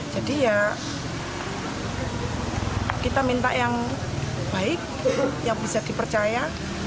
jadi ya kita minta yang baik yang bisa dipercaya